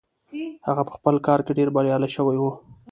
هغه په خپل کار کې ډېر بريالي شوی و.